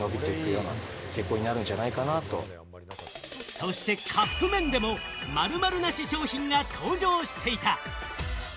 そしてカップ麺でも「〇〇なし商品」が登場していた！